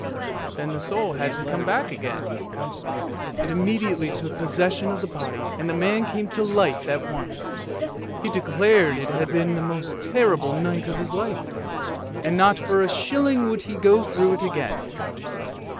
Then the soul had to come back again; it immediately took possession of the body, and the man came to life at once. He declared that it had been the most terrible night of his life, and not for a shilling would he go through it again.